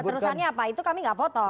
coba terusannya apa itu kami gak potong